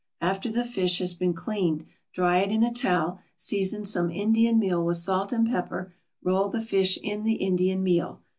After the fish has been cleaned dry it in a towel; season some Indian meal with salt and pepper, roll the fish in the Indian meal.